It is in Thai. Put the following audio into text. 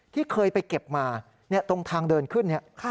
ที่เคยไปเก็บมาตรงทางเดินขึ้นนี้